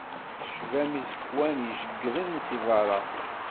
Tecbam iẓekkwan ijeggren si beṛṛa.